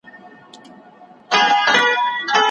په مناسبت جشن جوړ کړي.